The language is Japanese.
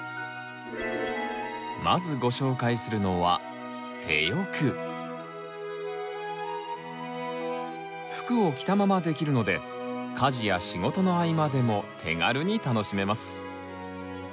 まずご紹介するのは服を着たままできるので家事や仕事の合間でも手軽に楽しめます。